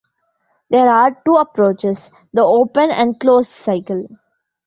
There are two approaches: the open and closed cycle.